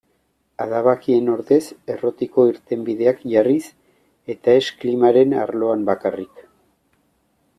Adabakien ordez errotiko irtenbideak jarriz, eta ez klimaren arloan bakarrik.